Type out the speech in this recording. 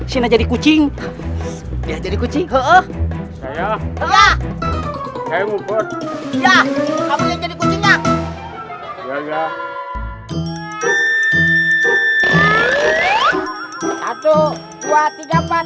selasi selasi bangun